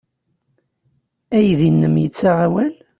Aydi-nnem yettaɣ awal?